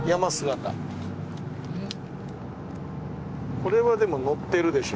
これはでも載ってるでしょ